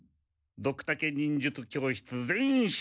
ドクタケ忍術教室全員出席！